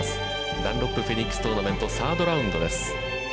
ダンロップフェニックストーナメント、サードラウンドです。